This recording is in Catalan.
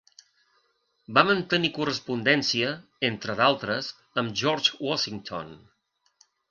Va mantenir correspondència, entre d'altres, amb George Washington.